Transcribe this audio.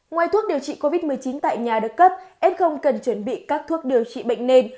ngoài thuốc điều trị covid một mươi chín tại nhà được cấp s cần chuẩn bị các thuốc điều trị bệnh nền